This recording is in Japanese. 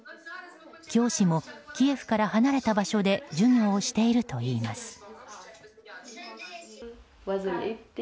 教師もキエフから離れた場所で授業をしているといいます。